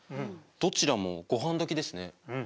どちらもごはんどきですね。